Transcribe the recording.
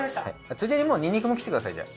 ついでにもうにんにくも切ってくださいじゃあ。